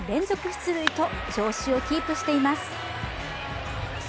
出塁と調子をキープしています。